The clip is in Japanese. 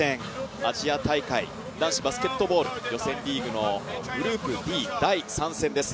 アジア大会男子バスケットボール予選リーググループＤ第３戦です。